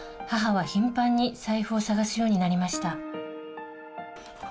母は頻繁に財布を捜すようになりました